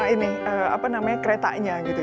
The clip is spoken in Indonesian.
ini apa namanya keretanya gitu